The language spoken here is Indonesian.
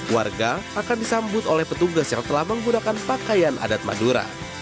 warga akan disambut oleh petugas yang telah menggunakan pakaian adat madura